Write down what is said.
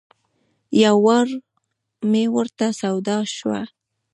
یو وار مې ورته سودا شوه.